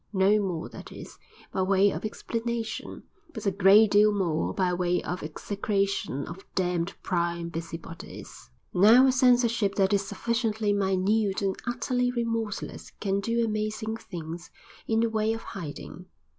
No more, that is, by way of explanation, but a great deal more by way of execration of "damned, prying busybodies." Now a censorship that is sufficiently minute and utterly remorseless can do amazing things in the way of hiding